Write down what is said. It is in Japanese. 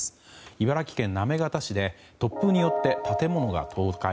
茨城県行方市で突風によって建物が倒壊。